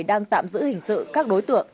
đang tạm giữ hình sự các đối tượng